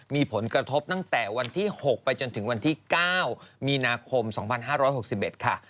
มีผลกระทบตั้งแต่วันที่๖ไปจนถึงวันที่๙มีนาคม๒๕๖๑ค่ะ